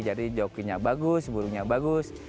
jadi jokinya bagus burungnya bagus